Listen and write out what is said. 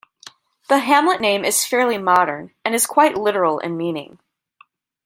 The hamlet name is fairly modern, and is quite literal in meaning.